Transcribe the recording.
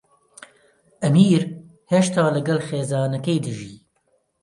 ئەمیر هێشتا لەگەڵ خێزانەکەی دەژی.